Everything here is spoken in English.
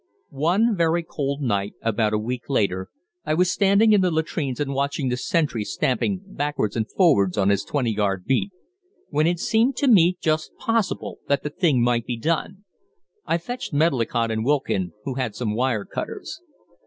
One very cold night about a week later I was standing in the latrines and watching the sentry stamping backwards and forwards on his 20 yard beat, when it seemed to me just possible that the thing might be done. I fetched Medlicott and Wilkin, who had some wire cutters.